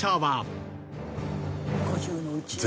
５０のうちね。